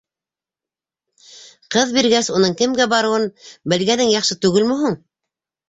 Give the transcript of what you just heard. Ҡыҙ биргәс, уның кемгә барыуын белгәнең яҡшы түгелме һуң?